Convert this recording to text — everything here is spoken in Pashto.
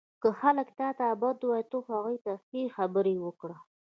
• که خلک تا ته بد وایي، ته هغوی ته ښې خبرې وکړه.